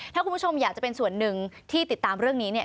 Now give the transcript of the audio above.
ถ้าคุณผู้ชมอยากจะเป็นส่วนหนึ่งที่ติดตามเรื่องนี้เนี่ย